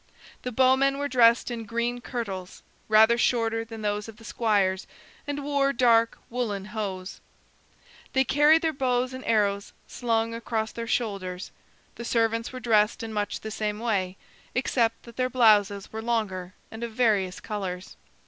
The bowmen were dressed in green kirtles, rather shorter than those of the squires, and wore dark woolen hose; they carried their bows and arrows slung across their shoulders. The servants were dressed in much the same way, except that their blouses were longer and of various colors.